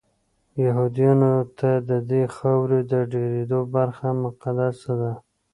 یهودانو ته ددې خاورې ډېره برخه مقدسه ده.